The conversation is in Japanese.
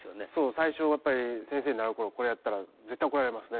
最初やっぱり先生に習う頃これやったら絶対怒られますね。